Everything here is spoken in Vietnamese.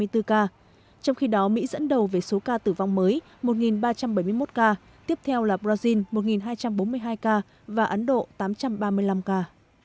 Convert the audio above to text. trong khi đó mỹ dẫn đầu về số ca tử vong mới một ba trăm bảy mươi một ca tiếp theo là brazil một hai trăm bốn mươi hai ca và ấn độ tám trăm ba mươi năm ca